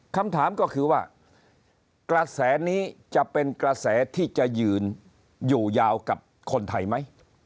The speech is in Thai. คำถามก็คือว่ากระแสนี้จะเป็นกระแสที่จะยืนอยู่ยาวกับคนไทยไหม